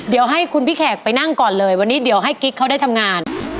เดี๋ยวให้คุณพี่แขกไปนั่งก่อนเลยวันนี้เดี๋ยวให้กิ๊กเขาได้ทำงาน